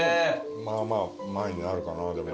まあまあ前になるかなでも。